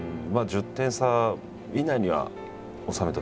１０点差以内には収めておきたいと。